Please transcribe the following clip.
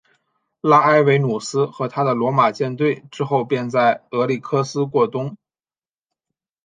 拉埃维努斯和他的罗马舰队之后便在俄里科斯过冬。